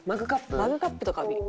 マグカップとか。